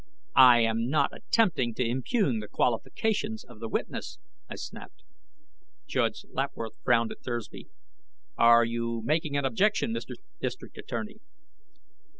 "I am not attempting to impugn the qualifications of the witness," I snapped. Judge Lapworth frowned at Thursby. "Are you making an objection, Mr. District Attorney?"